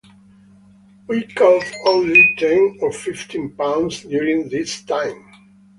We caught only ten or fifteen pounds during this time.